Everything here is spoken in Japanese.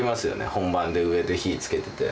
本番で上で火つけてて。